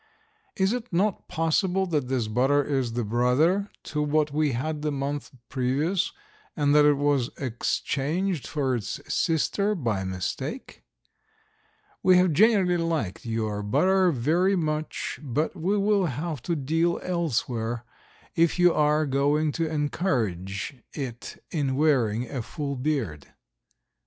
Is it not possible that this butter is the brother to what we had the month previous, and that it was exchanged for its sister by mistake? We have generally liked your butter very much, but we will have to deal elsewhere if you are going to encourage it in wearing a full beard.